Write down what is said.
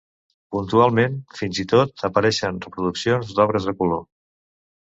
Puntualment, fins i tot, apareixen reproduccions d'obres a color.